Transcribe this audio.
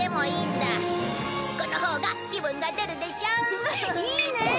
いいね！